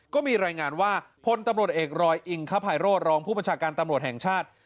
ก็มีรายงานว่าพลตำรวจเอกรอยอิงคภัยโรธรองผู้บัญชาการตำรวจแห่งชาติ